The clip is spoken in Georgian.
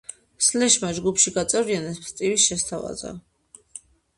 სლეშმა ჯგუფში გაწევრიანება სტივის შესთავაზა.